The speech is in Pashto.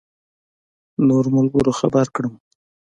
نورو ملګرو خبر کړم.